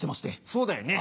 そうだよね。